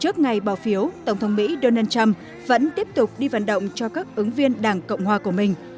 trước ngày bỏ phiếu tổng thống mỹ donald trump vẫn tiếp tục đi vận động cho các ứng viên đảng cộng hòa của mình